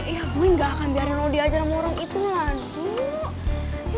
ya gue gak akan biarin lo diajar sama orang itu lah